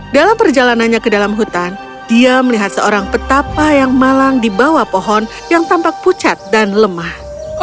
dalam perjalanannya ke dalam hutan dia melihat seorang petapa yang malang di bawah pohon yang tampak pucat dan lemah